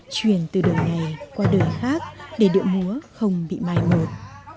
truyền từ đời này qua đời khác để địa múa không bị mai ngột